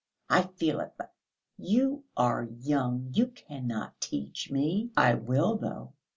I feel it ... but you are young, you cannot teach me." "I will, though....